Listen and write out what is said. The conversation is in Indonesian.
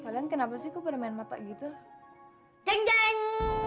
kalian kenapa sih kepadanya mata gitu jeng jeng